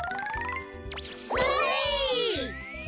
それ！